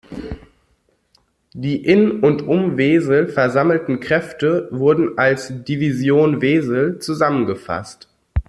Die in und um Wesel versammelten Kräfte wurden als Division Wesel zusammengefasst.